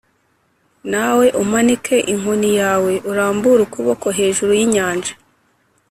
nawe umanike inkoni yawe, urambure ukuboko hejuru y’inyanja,